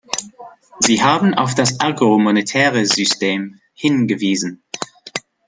Sie haben auf das agro-monetäre System hingewiesen.